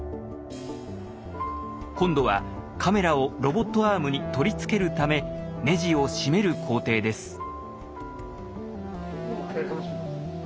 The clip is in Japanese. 今度はカメラをロボットアームに取り付けるためネジを締める工程です。